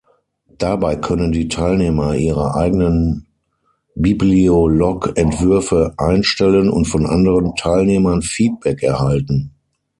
Dabei können die Teilnehmer ihre eigenen Bibliolog-Entwürfe einstellen und von anderen Teilnehmern Feedback erhalten.